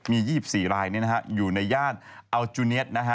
มี๒๔รายอยู่ในย่านอัลจูเนียส